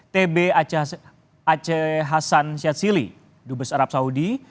tb aceh hasan syadsili dubes arab saudi